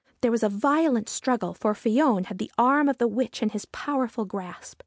There was a violent struggle, for Fion had the arm of the witch in his powerful grasp.